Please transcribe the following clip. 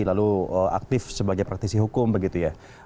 lalu aktif sebagai praktisi hukum begitu ya